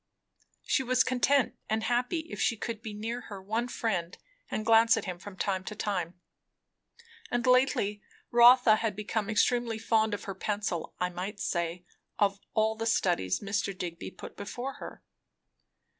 She was content and happy if she could be near her one friend and glance at him from time to time. And lately Rotha had become extremely fond of her pencil; I might say, of all the studies Mr. Digby put before her.